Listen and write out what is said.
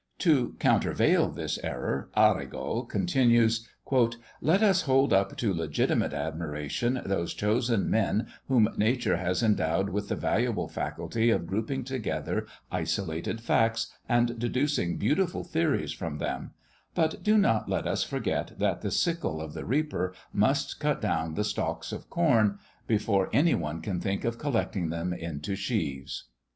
To countervail this error, Arago continues: "Let us hold up to legitimate admiration those chosen men whom nature has endowed with the valuable faculty of grouping together isolated facts, and deducing beautiful theories from them; but do not let us forget that the sickle of the reaper must cut down the stalks of corn, before any one can think of collecting them into sheaves."